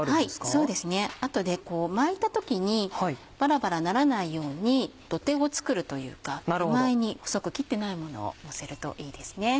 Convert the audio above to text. そうですね後で巻いた時にバラバラならないように土手を作るというか手前に細く切ってないものをのせるといいですね。